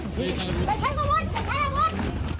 ใส่ไพ่มุ้นใส่ไพ่มุ้น